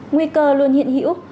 nguy cơ luôn hiện hữu